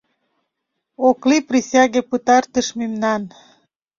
Ок лий присяге пытартыш мемнан.